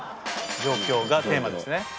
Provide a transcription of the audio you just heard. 「上京」がテーマですね。